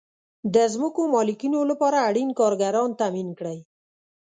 د ځمکو مالکینو لپاره اړین کارګران تامین کړئ.